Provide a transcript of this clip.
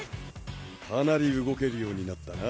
かなり動けるようになったな。